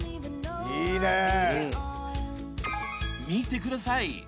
見てください